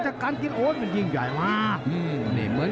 เดี๋ยวคุณประกาศไปบังรณ์บังรณ์แฟนทางบ้านก็บอกว่าเฮ้ยวันนี้บังรณ์มาชกมวยเดี๋ยว